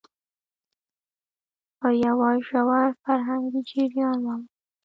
په يوه ژور فرهنګي جريان واوښت،